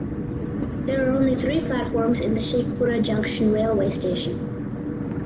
There are only three platforms in the Sheikhpura Junction railway station.